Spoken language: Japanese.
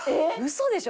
嘘でしょ？